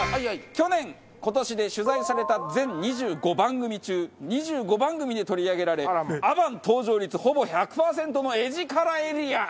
去年今年で取材された全２５番組中２５番組で取り上げられアバン登場率ほぼ１００パーセントの画力エリア！